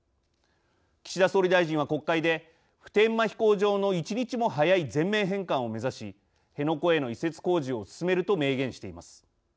岸田総理大臣は国会で「普天間飛行場の１日も早い全面返還を目指し辺野古への移設工事を進める」と明言しています。